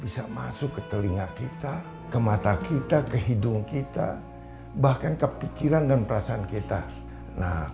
bisa masuk ke telinga kita ke mata kita kehidung kita bahkan kepikiran dan perasaan kita bahkan kepikiran dan perasaan kita